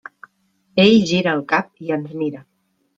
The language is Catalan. Ell gira el cap i ens mira.